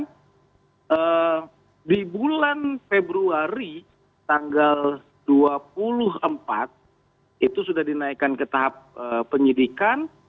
dan di bulan februari tanggal dua puluh empat itu sudah dinaikkan ke tahap penyidikan